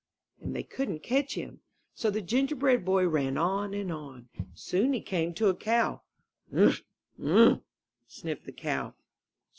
*' And they couldn't catch him. So the Gingerbread Boy ran on and on. Soon he came to a cow. ''Um! Um!'* sniffed the cow.